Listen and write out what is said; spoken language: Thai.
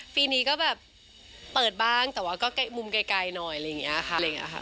ปีนี้ก็แบบเปิดบางแต่ว่าก็มุมไกลหน่อยอะไรอย่างนี้ค่ะ